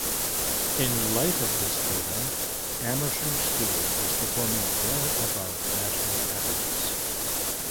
In light of this data, Amersham School is performing well above national averages.